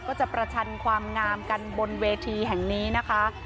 ประชันความงามกันบนเวทีแห่งนี้นะคะ